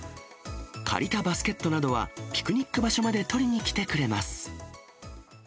借りたバスケットなどはピクニック場所まで取りに来てくれます。